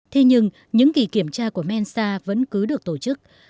thế nhưng những kỳ kiểm tra của mensa vẫn cứ được tổ chức